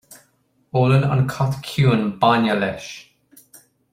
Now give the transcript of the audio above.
Ólann an cat ciúin bainne leis